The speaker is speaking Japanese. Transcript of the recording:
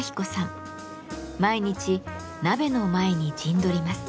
毎日鍋の前に陣取ります。